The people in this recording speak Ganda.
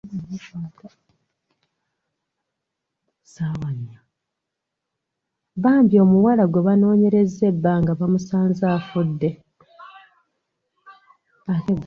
Bambi omuwala gwe banoonyerezza ebbanga bamusanze afudde.